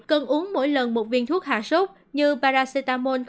cần uống mỗi lần một viên thuốc hạ sốt như paracetamol